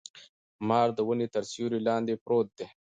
مار د ونې تر سیوري لاندي پروت دی.